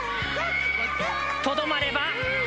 とどまれば。